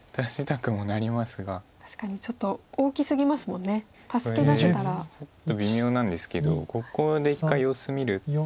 これちょっと微妙なんですけどここで一回様子見る。